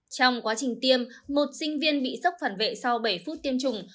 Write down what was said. trong quá trình tiêm một sinh viên bị sốc phản vệ sau bảy phút tiêm chủng